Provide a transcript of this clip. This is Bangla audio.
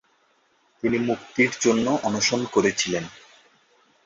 তিনি মুক্তির জন্যে অনশন করেছিলেন।